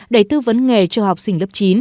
để tư vấn nghề cho học sinh lớp chín